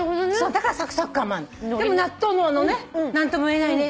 でも納豆のね何とも言えないね